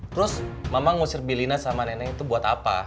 terus mama ngusir bilina sama nenek itu buat apa